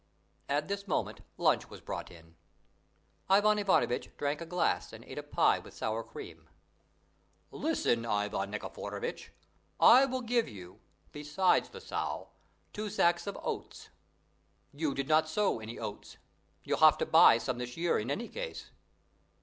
At this moment lunch was brought in. Ivan Ivanovitch drank a glass and ate a pie with sour cream. "Listen, Ivan Nikiforovitch: I will give you, besides the sow, two sacks of oats. You did not sow any oats. You'll have to buy some this year in any case."